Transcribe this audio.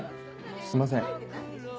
すいません。